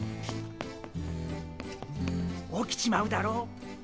起きちまうだろ。